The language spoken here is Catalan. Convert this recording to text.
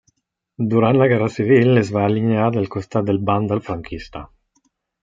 Durant la Guerra Civil es va alinear del costat del Bàndol franquista.